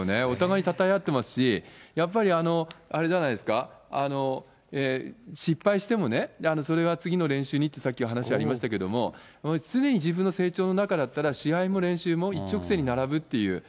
お互いにたたえ合ってますし、やっぱりあれじゃないですか、失敗してもね、それは次の練習にってさっき、お話ありましたけれども、常に自分の成長の中だったら、試合も練習も一直線に並ぶっていう。